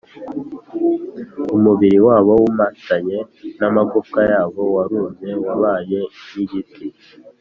Umubiri wabo wumatanye n’amagufwa yabo, Warumye wabaye nk’igiti.